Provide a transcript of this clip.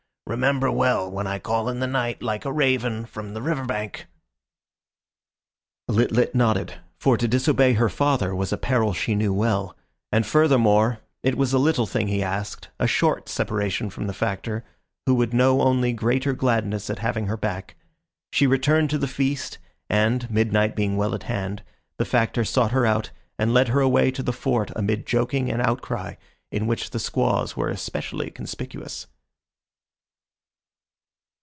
Remember well, when I call in the night, like a raven, from the river bank." Lit lit nodded; for to disobey her father was a peril she knew well; and, furthermore, it was a little thing he asked, a short separation from the Factor, who would know only greater gladness at having her back. She returned to the feast, and, midnight being well at hand, the Factor sought her out and led her away to the Fort amid joking and outcry, in which the squaws were especially conspicuous.